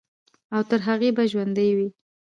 او تر هغې به ژوندے وي،